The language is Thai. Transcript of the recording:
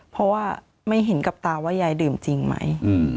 เพราะว่าไม่เห็นกับตาว่ายายดื่มจริงไหม